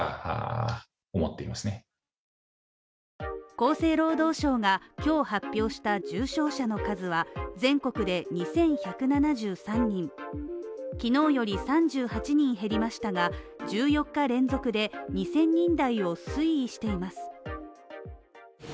厚生労働省が今日発表した重症者の数は全国で２１７３人昨日より３８人減りましたが１４日連続で２０００人台を推移しています